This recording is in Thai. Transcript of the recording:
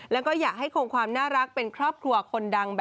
แล้วก็อยากให้คงความน่ารักเป็นครอบครัวคนดัง